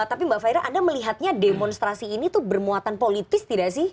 tapi mbak faira anda melihatnya demonstrasi ini tuh bermuatan politis tidak sih